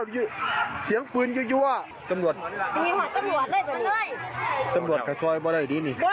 อย่าไปอย่าลงไป